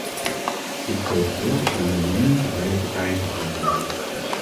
Dit protocol is naar mijn mening voor beide partijen van groot belang.